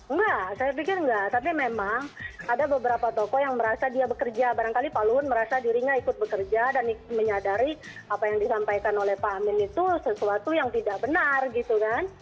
enggak saya pikir enggak tapi memang ada beberapa tokoh yang merasa dia bekerja barangkali pak luhut merasa dirinya ikut bekerja dan menyadari apa yang disampaikan oleh pak amin itu sesuatu yang tidak benar gitu kan